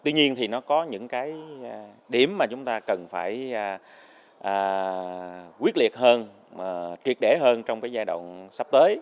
tuy nhiên nó có những điểm mà chúng ta cần phải quyết liệt hơn kiệt để hơn trong giai đoạn sắp tới